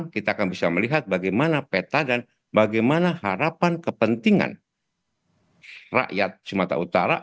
kita akan bisa melihat bagaimana peta dan bagaimana harapan kepentingan rakyat sumatera utara